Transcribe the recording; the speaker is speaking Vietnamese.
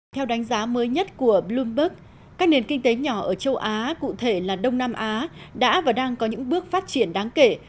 theo đánh giá mới nhất của bloomberg các nền kinh tế nhỏ ở châu á cụ thể là đông nam á đã và đang có những bước phát triển đáng kể